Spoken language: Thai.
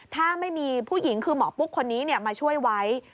ถ้าไม่มีผู้หญิงคือหมอปุ๊กคนนี้มาช่วยไว้